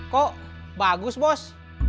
kok bagus bos